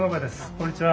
こんにちは。